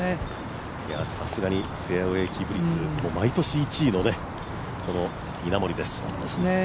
さすがにフェアウエーキープ率が毎年１位の稲森です。